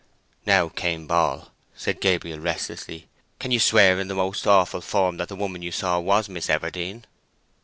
"Now, Cain Ball," said Gabriel restlessly, "can you swear in the most awful form that the woman you saw was Miss Everdene?"